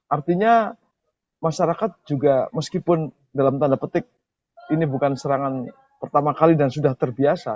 artinya masyarakat juga meskipun dalam tanda petik ini bukan serangan pertama kali dan sudah terbiasa